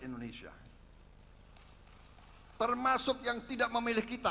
termasuk yang tidak memilih kita